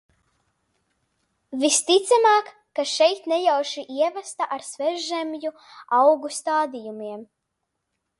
Visticamāk, tā šeit nejauši ieviesta ar svešzemju augu stādījumiem.